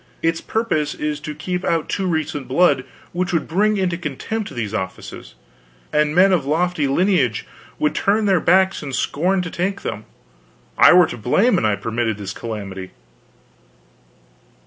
Its purpose is to keep out too recent blood, which would bring into contempt these offices, and men of lofty lineage would turn their backs and scorn to take them. I were to blame an I permitted this calamity.